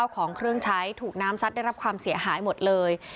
ของเครื่องใช้ถูกน้ำซัดได้รับความเสียหายหมดเลย